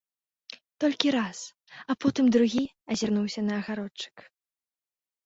Толькі раз, а потым другі азірнуўся на агародчык.